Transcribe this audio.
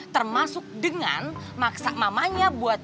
termasuk dengan maksa mamanya